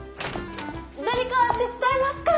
誰か手伝えますか？